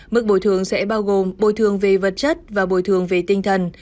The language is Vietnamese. mức bồi thường sẽ bao gồm bồi thường về vật chất và bồi thường về tinh thần